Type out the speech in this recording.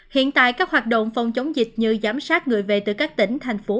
hiện tại các hoạt động phòng chống dịch như giám sát người về từ các tỉnh thành phố